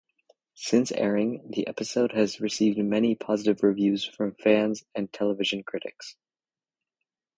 Since airing, the episode has received many positive reviews from fans and television critics.